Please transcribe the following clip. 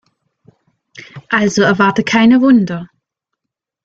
Also erwarte keine Wunder.